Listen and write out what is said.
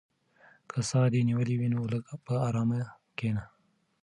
که ساه دې نیولې وي نو لږ په ارامه کښېنه.